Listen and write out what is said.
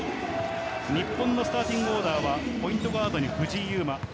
日本のスターティングオーダーはポイントガードに藤井祐眞。